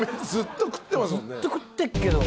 ずっと食ってっけど。